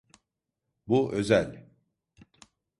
Bu özel.